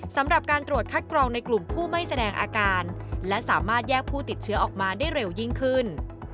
สำหรับการตรวจคัดกรองในกลุ่มผู้ไม่แสดงอาการและสามารถแยกผู้ติดเชื้อออกมาได้เร็วยิ่งขึ้น